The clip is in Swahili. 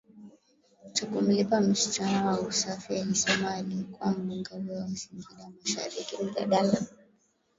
cha kumlipa msichana wa usafi alisema aliyekuwa mbunge huyo wa Singida MasharikiKuhusu mjadala